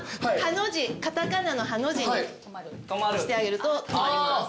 片仮名のハの字にしてあげると止まります。